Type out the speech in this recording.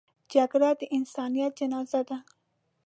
جګړه د انسانیت جنازه ده